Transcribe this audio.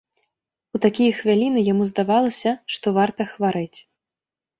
У такія хвіліны яму здавалася, што варта хварэць.